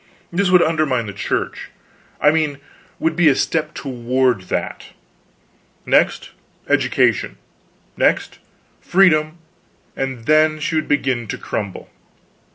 This would undermine the Church. I mean would be a step toward that. Next, education next, freedom and then she would begin to crumble.